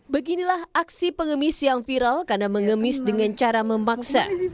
beginilah aksi pengemis yang viral karena mengemis dengan cara memaksa